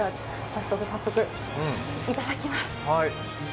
早速早速いただきます。